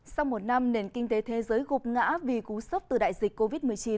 sau một năm nền kinh tế thế giới gục ngã vì cú sốc từ đại dịch covid một mươi chín